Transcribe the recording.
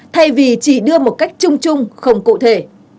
thay vì chỉ đưa một cách chung chung không cụ thể